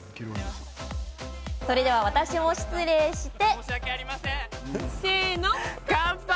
それでは、私も失礼して。